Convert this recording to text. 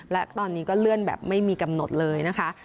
และตอนนี้ก็เลื่อนแบบไม่มีกำหนดเลยนะคะ